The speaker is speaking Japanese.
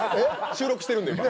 収録してるので、今。